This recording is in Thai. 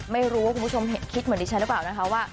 ไม่รู้ว่าคุณผู้ชมคิดเหมือนดิฉันหรือเปล่านะคะว่า